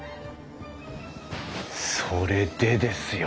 それでですよ。